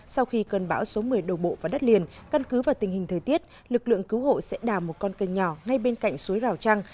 sau khi cơn bão số một mươi đầu bộ vào đất liền căn cứ vào tình hình thời tiết lực lượng cứu hộ sẽ đào một con cơn nhỏ ngay bên cạnh suối rào trăng